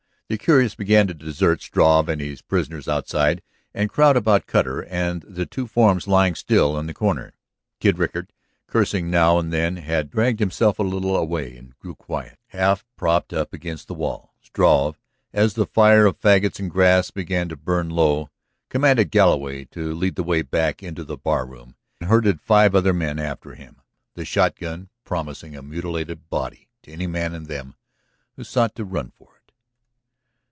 The curious began to desert Struve and his prisoners outside, and to crowd about Cutter and the two forms lying still in the corner. Kid Rickard, cursing now and then, had dragged himself a little away and grew quiet, half propped up against the wall. Struve, as the fire of fagots and grass began to burn low, commanded Galloway to lead the way back into the barroom and herded five other men after him, the shotgun promising a mutilated body to any man of them who sought to run for it.